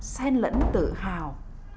xen lẫn tự hào